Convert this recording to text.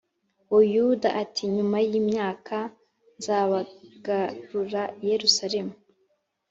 Buyuda ati nyuma y imyaka nzabagarura i Yerusalemu